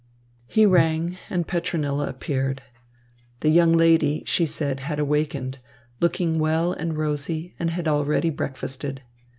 He rang, and Petronilla appeared. The young lady, she said, had awakened, looking well and rosy, and had already breakfasted.